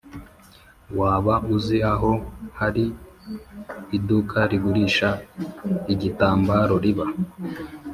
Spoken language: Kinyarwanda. waba uzi aho hari iduka rigurisha igitambaro riba?